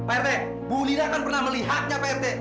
pak rt bu lira kan pernah melihatnya pak rt